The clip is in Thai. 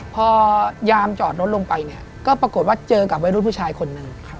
พอยามจอดรถลงไปเนี่ยก็ปรากฏว่าเจอกับวัยรุ่นผู้ชายคนหนึ่ง